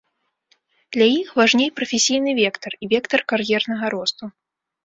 Для іх важней прафесійны вектар і вектар кар'ернага росту.